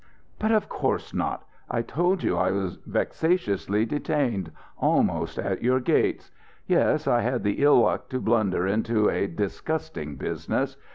"But of course not! I told you I was vexatiously detained, almost at your gates. Yes, I had the ill luck to blunder into a disgusting business.